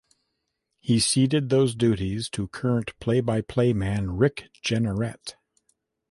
He ceded those duties to current play-by-play man Rick Jeanneret.